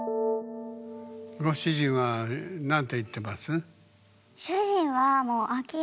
ご主人は何て言ってます？